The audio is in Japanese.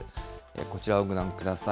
こちらをご覧ください。